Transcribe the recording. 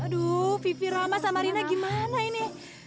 aduh vivi roma sama rina gimana ini